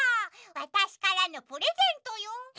わたしからのプレゼントよ。